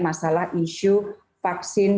masalah isu vaksin